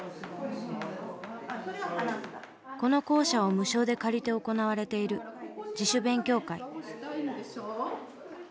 この校舎を無償で借りて行われている自主勉強会。